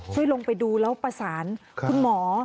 ลงไปดูแล้วประสานคุณหมอ